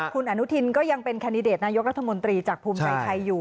คุณอนุทินก็ยังเป็นแคนดิเดตนายกรัฐมนตรีจากภูมิใจไทยอยู่